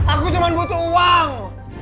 aku cuma butuh uang